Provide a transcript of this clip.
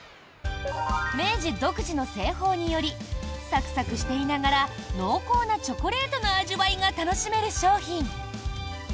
明治独自の製法によりサクサクしていながら濃厚なチョコレートの味わいが楽しめる商品。